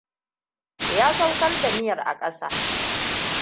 Ya sauƙar da miyan a ƙasa.